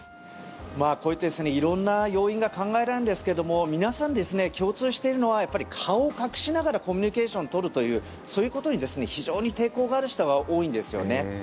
これ、色んな要因が考えられるんですけれども皆さん、共通しているのはやっぱり、顔を隠しながらコミュニケーションを取るというそういうことに非常に抵抗がある人が多いんですよね。